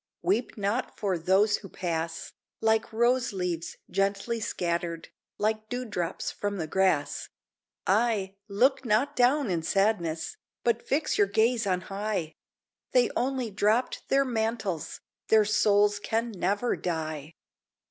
Weep not for those who pass, Like rose leaves gently scattered, Like dew drops from the grass. Ay, look not down in sadness, But fix your gaze on high; They only dropped their mantles Their souls can never die.